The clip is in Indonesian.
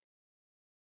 aku akan ruins